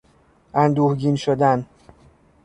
اندوهگین شدن